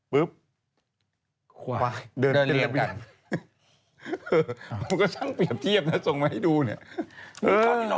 ควายเดินเตรียมมันก็ช่างเปรียบเทียบนะส่งมาให้ดูเนี่ย